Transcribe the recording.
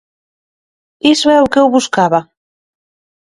Iso é o que eu buscaba.